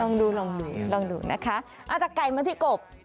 ลองดูลองดูลองดูนะคะอาจจะไก่มาที่กบ